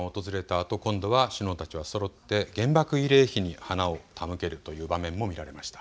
あと首脳たちはそろって原爆慰霊碑に花を手向けるという場面も見られました。